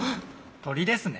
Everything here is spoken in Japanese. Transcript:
鳥ですね。